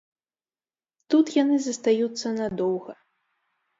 Тут яны застаюцца надоўга.